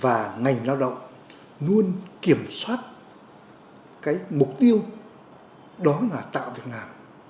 và ngành lao động luôn kiểm soát cái mục tiêu đó là tạo việc làm